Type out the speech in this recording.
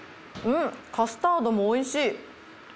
カスタードもおいしい。